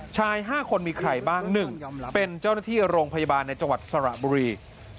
ชาย๕คนมีใครบ้าง๑เป็นเจ้าหน้าที่โรงพยาบาลในจังหวัดสระบุรี